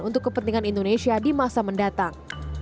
untuk kepentingan indonesia di masa mendatang